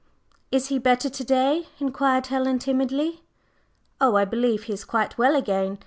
"Is he better to day?" inquired Helen timidly. "Oh, I believe he is quite well again.